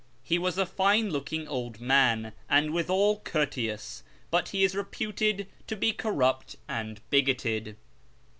He was a fine looking old man, and withal courteous ; but he is reputed to be corrupt and bigoted.